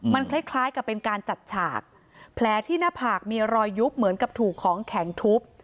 มันคล้ายคล้ายกับเป็นการจัดฉากแผลที่หน้าผากมีรอยยุบเหมือนกับถูกของแข็งทุบ